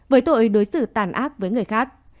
với tội đối xử tàn ác với người khác